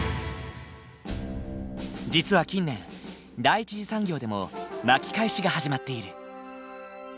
実は近年第一次産業でも巻き返しが始まっている。